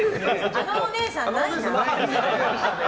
あのおねえさん、ないな。